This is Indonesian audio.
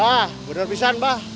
pak bener bisa mbah